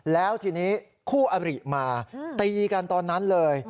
แล้วทีนี้คู่อริมาตีกันตอนนั้นเลย